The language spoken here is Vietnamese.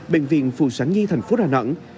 bệnh viện phù sản nhi thành phố đà nẵng